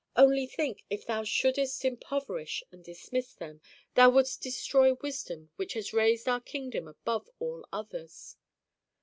Only think, if thou shouldest impoverish and dismiss them, thou wouldst destroy wisdom which has raised our kingdom above all others."